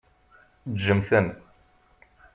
Ǧǧem-ten.